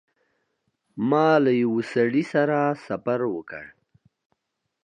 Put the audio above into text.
ما له یوه سړي سره سفر وکړ.